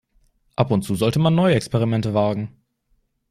Ab und zu sollte man neue Experimente wagen.